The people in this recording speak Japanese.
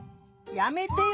やめてよ！